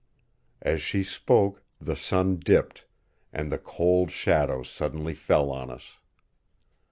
'" As she spoke the sun dipped, and the cold shadow suddenly fell on us.